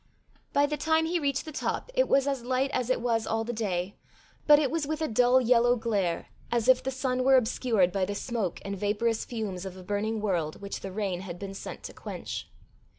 By the time he reached the top, it was as light as it was all the day; but it was with a dull yellow glare, as if the sun were obscured by the smoke and vaporous fumes of a burning world which the rain had been sent to quench.